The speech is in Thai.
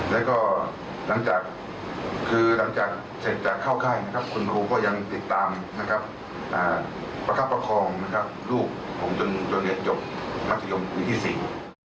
และก็หลังจากเสร็จจากเข้าค่ายคุณรู้ก็ยังติดตามประคับประคองลูกผมจนเดือนจบมัธยมวิทย์๔